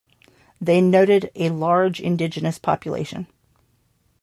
They noted a large Indigenous population.